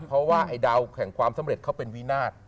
เพราะว่าไอ้ดาวแห่งความสำเร็จเขาเป็นวินาท